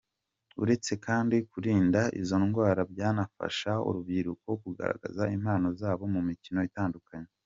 Uretse kandi kurinda izo ndwara byanafasha urubyiruko kugaragaza impano zabo mu mikino itandukanye.